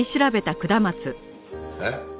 えっ？